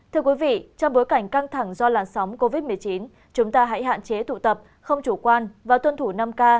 trong bối cảnh căng thẳng do làn sóng covid một mươi chín chúng ta hãy hạn chế tụ tập không chủ quan và tuân thủ năm k